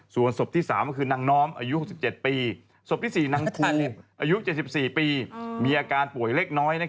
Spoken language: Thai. ส่วนศพที่๓ก็คือนางน้อมอายุ๖๗ปีศพที่๔นางภูอายุ๗๔ปีมีอาการป่วยเล็กน้อย